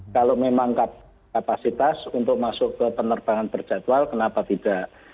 kalau memang kapasitas untuk masuk ke penerbangan terjadwal kenapa tidak